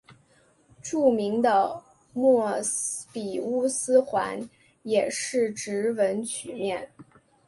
著名的莫比乌斯环也是直纹曲面。